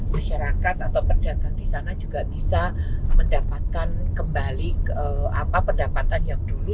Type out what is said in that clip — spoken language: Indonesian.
masyarakat atau perdagang di sana juga bisa mendapatkan kembali ke apa pendapatan yang dulu